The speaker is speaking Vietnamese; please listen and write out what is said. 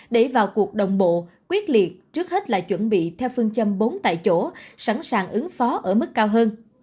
để vào cuộc đồng bộ quyết liệt trước hết là chuẩn bị theo phương châm bốn tại chỗ sẵn sàng ứng phó ở mức cao hơn